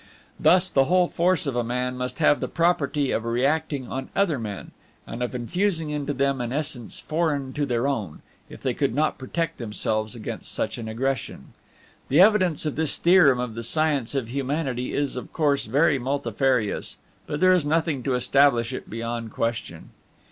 Thus the whole force of a man must have the property of reacting on other men, and of infusing into them an essence foreign to their own, if they could not protect themselves against such an aggression. The evidence of this theorem of the science of humanity is, of course, very multifarious; but there is nothing to establish it beyond question.